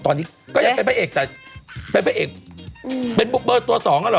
ตอนนี้ก็ยังเป็นพระเอกแต่เป็นพระเอกเป็นบุคเบอร์ตัวสองอ่ะเหรอ